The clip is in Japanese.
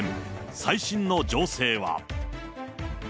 最新の情勢は？